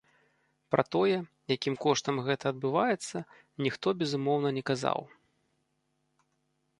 Пра тое, якім коштам гэта адбываецца, ніхто, безумоўна, не казаў.